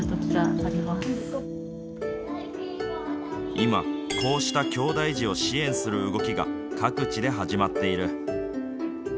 今、こうしたきょうだい児を支援する動きが各地で始まっている。